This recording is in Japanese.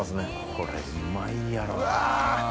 これうまいやろ。